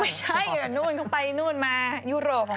ไม่ใช่นู่นก็ไปนู่นมายุโรปค่ะ